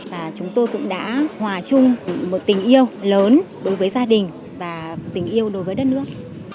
và chúng tôi cũng đã hòa chung một tình yêu lớn đối với gia đình và tình yêu đối với đất nước